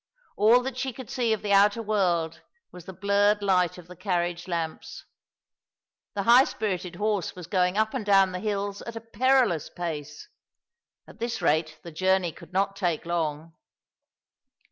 All that she could see of the outer world was the blurred light of the carriage lamps. The high spirited horse was going up and down the hills at a perilous pace. At this rate the journey could not take long.